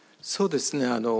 そうですね。